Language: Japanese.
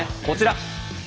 こちら。